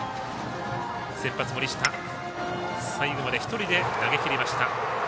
先発、森下最後まで１人で投げきりました。